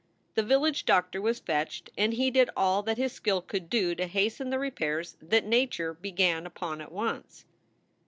The village doctor was fetched, and he did all that his skill could do to hasten the repairs that nature began upon at once.